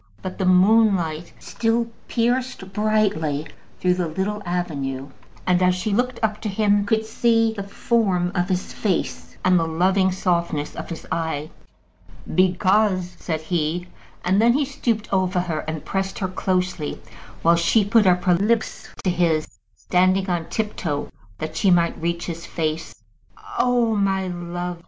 But the moonlight still pierced brightly through the little avenue, and she, as she looked up to him, could see the form of his face and the loving softness of his eye. "Because ," said he; and then he stooped over her and pressed her closely, while she put up her lips to his, standing on tip toe that she might reach to his face. "Oh, my love!"